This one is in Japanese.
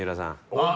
おっ！